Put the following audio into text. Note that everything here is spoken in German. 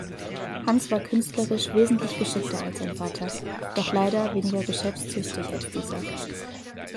Hans war künstlerisch wesentlich geschickter als sein Vater, doch leider weniger geschäftstüchtig als dieser.